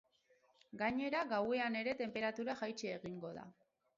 Gainera, gauean ere tenperatura jaitsi egingo da.